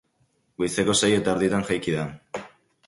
Goizeko sei eta erdietan jaiki da.